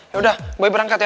yaudah boy berangkat ya